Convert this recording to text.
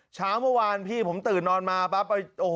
เช้าเมื่อวานพี่ผมตื่นนอนมาปั๊บโอ้โห